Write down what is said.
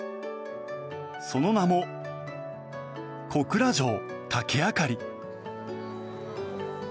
その名も小倉城竹あかり。